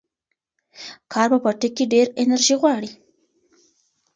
کار په پټي کې ډېره انرژي غواړي.